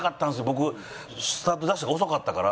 僕スタートダッシュが遅かったから。